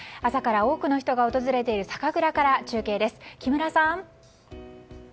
朝から多くの人が訪れている酒蔵から中継です、木村さん。